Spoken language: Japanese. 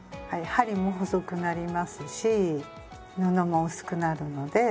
はい針も細くなりますし布も薄くなるので。